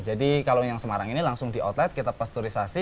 jadi kalau yang semarang ini langsung di outlet kita pasturisasi